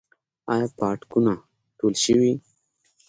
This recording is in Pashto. آیا پاټکونه ټول شوي؟